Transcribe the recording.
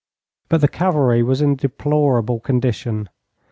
But the cavalry was in a deplorable condition.